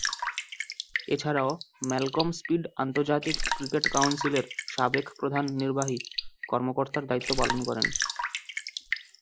এছাড়াও Malcolm Speed আন্তর্জাতিক cricket কাউন্সিলের সাবেক প্রধান নির্বাহী কর্মকর্তার দায়িত্ব পালন করেন।